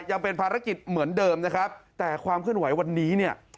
ยังเป็นภารกิจเหมือนเดิมนะครับแต่ความเคลื่อนไหววันนี้เนี่ย